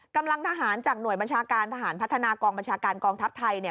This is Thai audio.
กำลังทหารจากหน่วยบัญชาการทหารพัฒนากองบัญชาการกองทัพไทยเนี่ย